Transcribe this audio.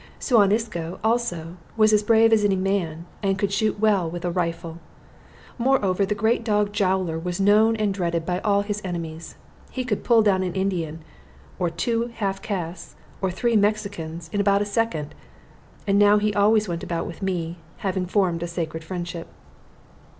Suan Isco, also, was as brave as any man, and could shoot well with a rifle. Moreover, the great dog Jowler was known and dreaded by all his enemies. He could pull down an Indian, or two half castes, or three Mexicans, in about a second; and now he always went about with me, having formed a sacred friendship.